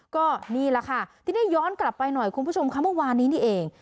ก็นี่แหละค่ะทีนี้ย้อนกลับไปหน่อยคุณผู้ชมค่ะเมื่อวานนี้นี่เอง